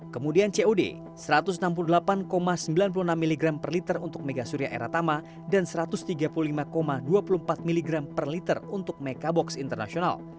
kemudian cod satu ratus enam puluh delapan sembilan puluh enam mg per liter untuk mega surya eratama dan satu ratus tiga puluh lima dua puluh empat mg per liter untuk mekabox internasional